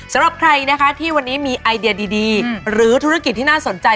สำหรับใครนะคะที่วันนี้มีไอเดียดีหรือธุรกิจที่น่าสนใจ